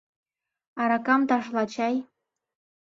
Аракам ташла чай...